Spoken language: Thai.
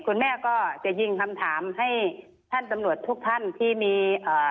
คุณแม่ก็จะยิงคำถามให้ท่านตำรวจทุกท่านที่มีอ่า